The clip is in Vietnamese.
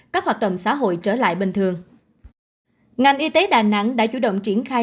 các hoạt động xã hội trở lại bình thường ngành y tế đà nẵng đã chủ động triển khai